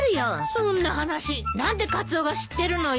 そんな話何でカツオが知ってるのよ。